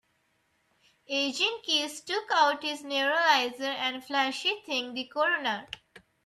Agent Keys took out his neuralizer and flashy-thinged the coroner.